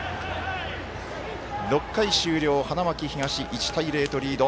６回終了、花巻東１対０とリード。